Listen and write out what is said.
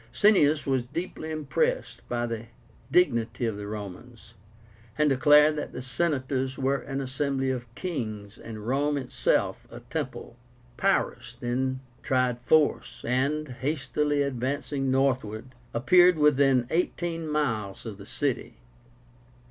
Cineas was deeply impressed by the dignity of the Romans, and declared that the Senators were an assembly of kings and Rome itself a temple. Pyrrhus then tried force, and, hastily advancing northward, appeared within eighteen miles of the city.